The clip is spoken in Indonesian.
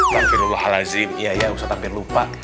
tampil allah al azim iya iya ustadz hampir lupa